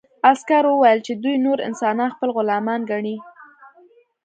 عسکر وویل چې دوی نور انسانان خپل غلامان ګڼي